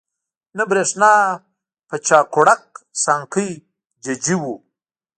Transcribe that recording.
نه برېښنا په چاقوړک، سانکۍ ججي وو